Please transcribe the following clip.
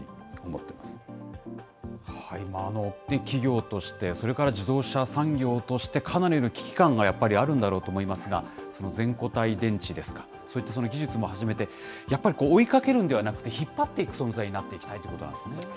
企業として、それから自動車産業として、かなりの危機感がやっぱりあるんだろうと思いますが、全固体電池ですか、そういった技術も始めて、やっぱり追いかけるんではなくて、引っ張っていく存在になっていきたいということなんですね。